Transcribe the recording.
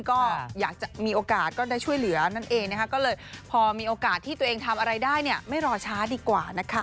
ก็อยากจะมีโอกาสก็ได้ช่วยเหลือนั่นเองนะคะก็เลยพอมีโอกาสที่ตัวเองทำอะไรได้เนี่ยไม่รอช้าดีกว่านะคะ